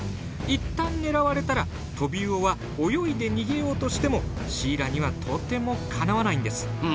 一旦狙われたらトビウオは泳いで逃げようとしてもシイラにはとてもかなわないんです。